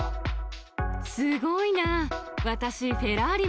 すごいな。